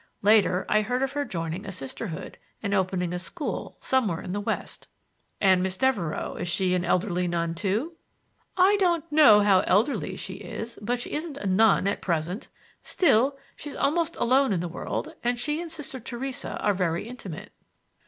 Later, I heard of her joining a Sisterhood, and opening a school somewhere in the West. "And Miss Devereux,—is she an elderly nun, too?" "I don't know how elderly she is, but she isn't a nun at present. Still, she's almost alone in the world, and she and Sister Theresa are very intimate."